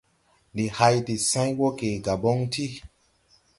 Ndi hay de sãy wɔge Gabɔŋ ti.